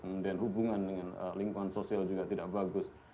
kemudian hubungan dengan lingkungan sosial juga tidak bagus